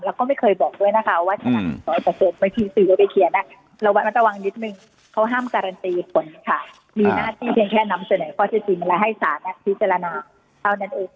เราก็ไม่เคยบอกด้วยนะคะว่าโดยเปอร์เซ็นต์เพื่อที่สื่อและไปเขียน